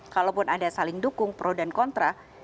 kalaupun ada saling dukung pro dan kontra